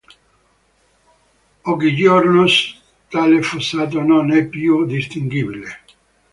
Oggigiorno tale fossato non è più distinguibile.